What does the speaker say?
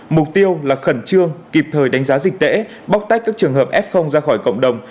mục tiêu là khẩn trương kịp thời đánh giá dịch tễ bóc tách các trường hợp f ra khỏi cộng đồng